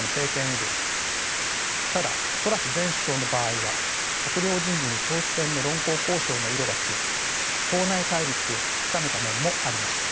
ただトラス前首相の場合は閣僚人事に党首選の論功行賞の色が強く党内対立を深めた面もありました。